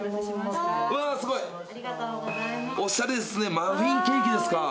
すごいおしゃれですね